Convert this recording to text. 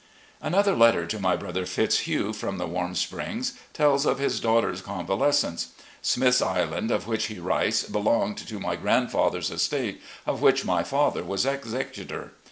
Another letter to my brother, Fitzhugh, from the Warm Springs, tells of his daughter's convalescence. Smith's Island, of which he writes, belonged to my grandfather's estate, of which my father was executor.